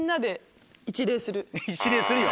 一礼するよ